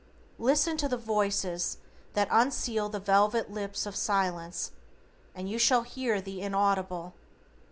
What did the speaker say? Listen to the Voices that unseal the velvet lips of Silence, and YOU SHALL HEAR THE INAUDIBLE.